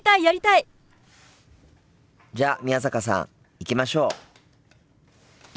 やりたい！じゃ宮坂さん行きましょう。